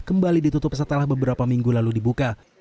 kembali ditutup setelah beberapa minggu lalu dibuka